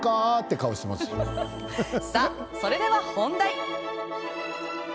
さあ、それでは本題。